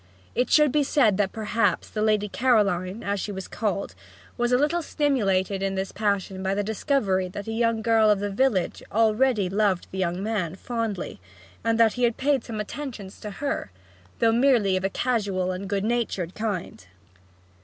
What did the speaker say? It should be said that perhaps the Lady Caroline (as she was called) was a little stimulated in this passion by the discovery that a young girl of the village already loved the young man fondly, and that he had paid some attentions to her, though merely of a casual and good natured kind.